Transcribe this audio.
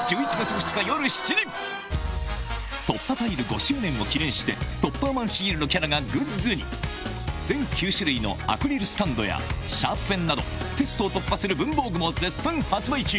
『突破ファイル』５周年を記念してトッパーマンシールのキャラがグッズに全９種類のアクリルスタンドやシャープペンなどテストを突破する文房具も絶賛発売中！